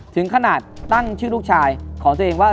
ถึงขนาดตั้งชื่อลูกชายของตัวเองว่า